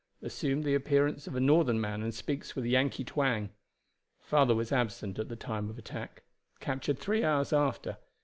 Assumed the appearance of a northern man and speaks with Yankee twang. Father was absent at the time of attack. Captured three hours after.